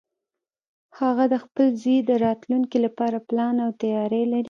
هغه د خپل زوی د راتلونکې لپاره پلان او تیاری لري